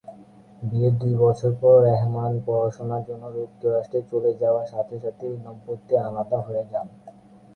বিয়ের দুই বছর পর রেহমান পড়াশোনার জন্য যুক্তরাষ্ট্রে চলে যাওয়ার সাথে সাথে এই দম্পতি আলাদা হয়ে যান।